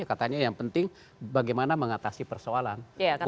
katanya yang penting bagaimana mengatasi persoalan